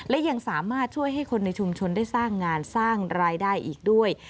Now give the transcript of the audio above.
และยังสามารถช่วยให้คนในชุมชนได้สร้างงานสร้างรายได้อีกด้วย